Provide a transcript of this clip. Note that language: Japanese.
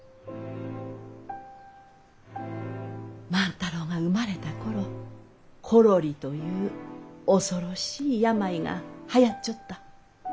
万太郎が生まれた頃コロリという恐ろしい病がはやっちょった。